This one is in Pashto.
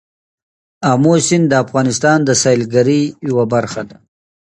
آمو سیند د افغانستان د سیلګرۍ یوه برخه ده.